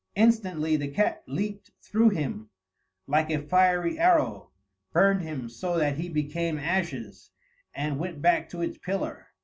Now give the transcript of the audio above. Instantly the cat leaped through him like a fiery arrow, burned him so that he became ashes, and went back to its pillar.